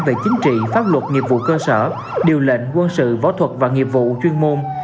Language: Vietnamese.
về chính trị pháp luật nghiệp vụ cơ sở điều lệnh quân sự võ thuật và nghiệp vụ chuyên môn